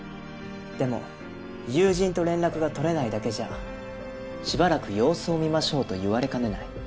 でも友人と連絡が取れないだけじゃしばらく様子を見ましょうと言われかねない。